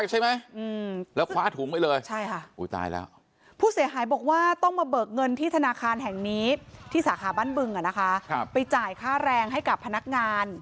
ใช่แล้วแต่หลังจากนั้นก็จะวนไปทางด้านหลัง